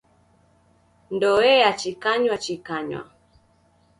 Ndoe yachikanywachikanywa.